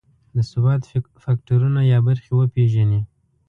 د ثبات فکټورونه یا برخې وپېژني.